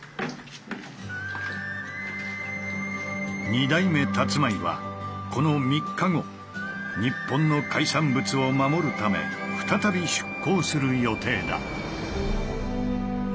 二代目たつまいはこの３日後日本の海産物を守るため再び出航する予定だ。